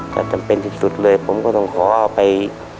ถ้าจำเป็นที่สุดเลยผมก็ต้องขอเอาไป